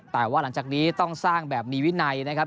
แต่ว่าหลังจากนี้ต้องสร้างแบบมีวินัยนะครับ